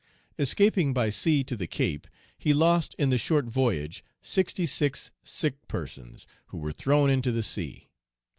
Escaping by sea to the Cape, he lost in the short voyage sixty six sick persons, Page 254 who were thrown into the sea.